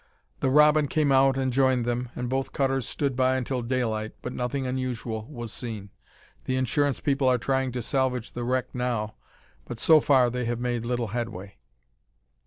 The Robin came out and joined them, and both cutters stood by until daylight, but nothing unusual was seen. The insurance people are trying to salvage the wreck now, but so far they have made little headway."